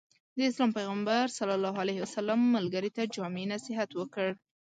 د اسلام پيغمبر ص ملګري ته جامع نصيحت وکړ.